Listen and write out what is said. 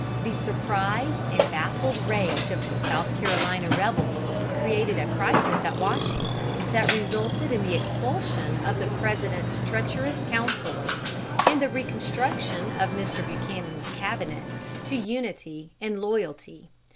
The surprised and baffled rage of the South Carolina rebels created a crisis at Washington that resulted in the expulsion of the President's treacherous counselors and the reconstruction of Mr. Buchanan's cabinet to unity and loyalty.